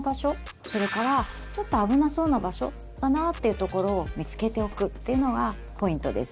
それからちょっと危なそうな場所かなっていうところを見つけておくっていうのがポイントです。